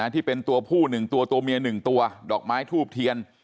ที่เป็นตัวผู้๑ตัวตัวเมีย๑ตัวดอกไม้ทูบเทียน